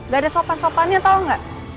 gak ada sopan sopannya tau gak